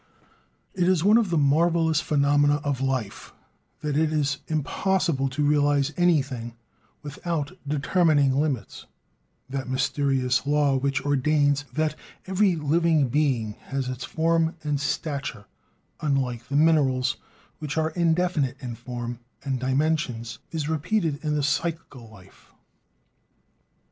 It is one of the marvelous phenomena of life that it is impossible to realize anything, without determining limits; that mysterious law which ordains that every living being has its "form" and "stature," unlike the minerals, which are indefinite in form and dimensions, is repeated in the psychical life.